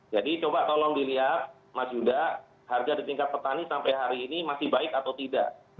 jadi coba tolong dilihat mas yuda harga di tingkat petani sampai hari ini masih baik atau tidak